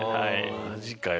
マジかよ。